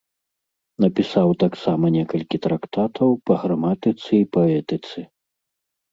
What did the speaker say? Напісаў таксама некалькі трактатаў па граматыцы і паэтыцы.